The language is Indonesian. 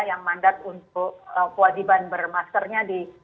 yang mandat untuk kewajiban bermaskernya di